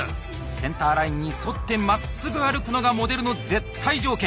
センターラインに沿ってまっすぐ歩くのがモデルの絶対条件。